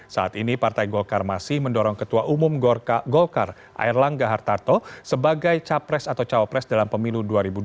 saat ini partai golkar masih mendorong ketua umum golkar air langga hartarto sebagai capres atau cawapres dalam pemilu dua ribu dua puluh